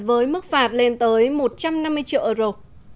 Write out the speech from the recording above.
với mức phạt lên tới một trăm năm mươi triệu euro